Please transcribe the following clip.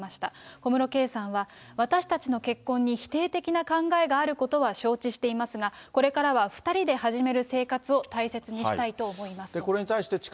小室圭さんは、私たちの結婚に否定的な考えがあることは承知していますが、これからは２人で始める生活を大切にしたいと思いますと。